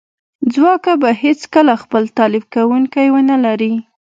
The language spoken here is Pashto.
ځواک به هیڅکله خپل تالیف کونکی ونه لري